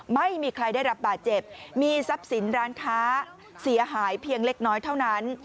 ไม่มีใครได้รับบาดเจ็บมีทรัพย์สินร้านค้าเสียหายเพียงเล็กน้อยเท่านั้น